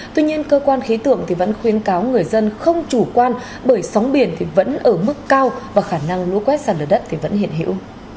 tuy nhiên cơ quan khí tượng vẫn khuyến cáo người dân không chủ quan bởi sóng biển vẫn ở mức cao và khả năng lũ quét sạt lở đất vẫn hiện hữu